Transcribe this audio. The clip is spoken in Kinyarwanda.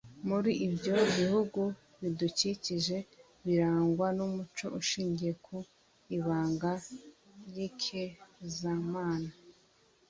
Muri ibyo bihugu bidukikije birangwa n'umuco ushingiye ku ibanga ry'ikezamana,